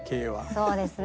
そうですね。